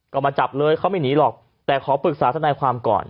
ก็มาจับเลยเขาไม่หนีหรอกแต่ขอปรึกษาทนายความก่อน